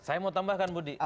saya mau tambahkan budi